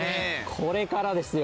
これからですよ。